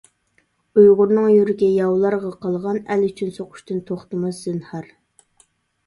ئۇيغۇرنىڭ يۈرىكى ياۋلارغا قالغان، ئەل ئۈچۈن سوقۇشتىن توختىماس زىنھار!